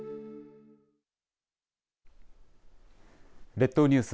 列島ニュース